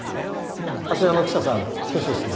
あちらの記者さん挙手してますね。